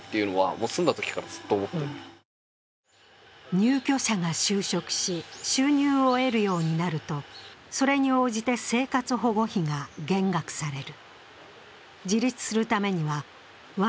入居者が就職し、収入を得るようになるとそれに応じて生活保護費が減額される。